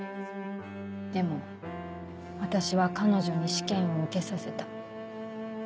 でも私は彼女に試験を受けさせた。